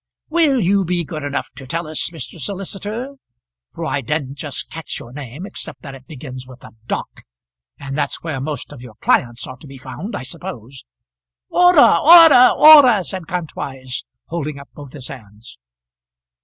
Will you be good enough to tell us, Mr. Solicitor for I didn't just catch your name, except that it begins with a dock and that's where most of your clients are to be found, I suppose " "Order, order, order!" said Kantwise, holding up both his hands.